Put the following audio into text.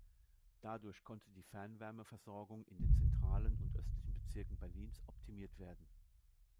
Dadurch konnte die Fernwärmeversorgung in den zentralen und östlichen Bezirken Berlins optimiert werden.